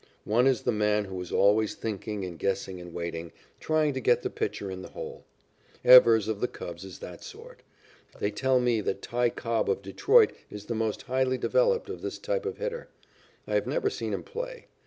One is the man who is always thinking and guessing and waiting, trying to get the pitcher in the hole. Evers, of the Cubs, is that sort. They tell me that "Ty" Cobb of Detroit is the most highly developed of this type of hitter. I have never seen him play.